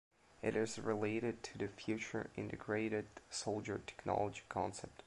It is related to the Future Integrated Soldier Technology concept.